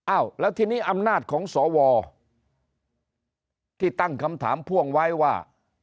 อ้าวแล้วทีนี้อำนาจของสวที่ตั้งคำถามพ่วงไว้ว่า